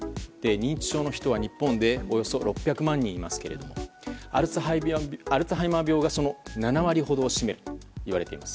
認知症の人は日本でおよそ６００万人いますがアルツハイマー病がその７割ほどを占めるといわれています。